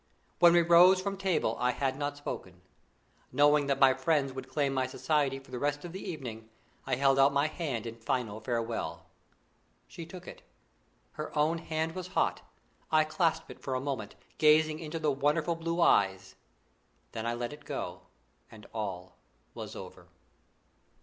When we rose from table I had not spoken; knowing that my friends would claim my society for the rest of the evening, I held out my hand in final farewell. She took it. Her own hand was hot. I clasped it for a moment, gazing into the wonderful blue eyes; then I let it go, and all was over.